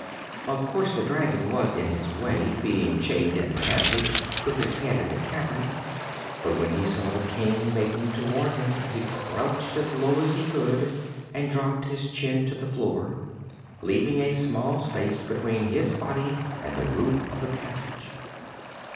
Of course the dragon was in his way, being chained in the passage with his head in the cavern, but when he saw the King making toward him he crouched as low as he could and dropped his chin to the floor, leaving a small space between his body and the roof of the passage.